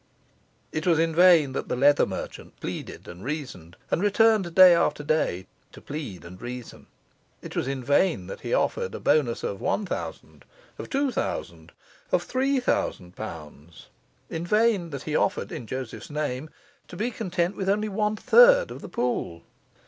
It was in vain that the leather merchant pleaded and reasoned, and returned day after day to plead and reason. It was in vain that he offered a bonus of one thousand, of two thousand, of three thousand pounds; in vain that he offered, in Joseph's name, to be content with only one third of the pool.